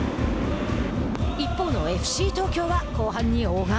一方のＦＣ東京は後半に小川。